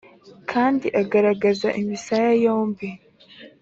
kandi agaragaza imisaya yombi